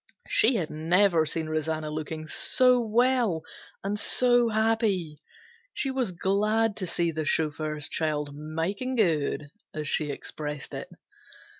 She had never seen Rosanna look so well and so happy. She was glad to see the chauffeur's child "makin' good" as she expressed it.